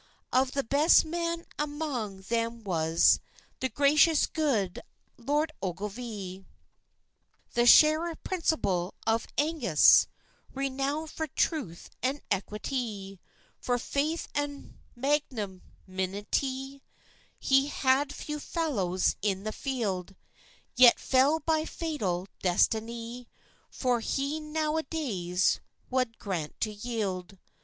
Of the best men amang them was The gracious gude Lord Ogilvy, The sheriff principal of Angus, Renownit for truth and equitie, For faith and magnanimitie; He had few fallows in the field, Yet fell by fatall destinie, For he naeways wad grant to yield.